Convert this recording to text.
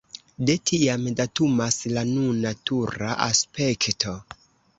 De tiam datumas la nuna tura aspekto.